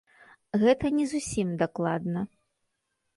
Гэта не зусім дакладна.